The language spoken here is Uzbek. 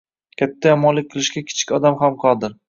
Katta yomonlik qilishga kichik odam ham qodir